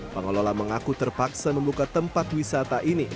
pengelola mengaku terpaksa membuka tempat wisata ini